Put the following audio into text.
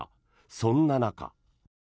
そんな中。